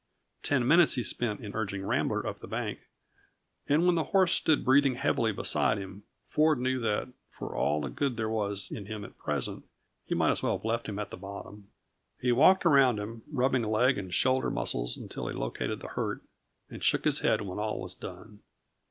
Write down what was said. Ten minutes he spent in urging Rambler up the bank, and when the horse stood breathing heavily beside him, Ford knew that, for all the good there was in him at present, he might as well have left him at the bottom. He walked around him, rubbing leg and shoulder muscles until he located the hurt, and shook his head when all was done.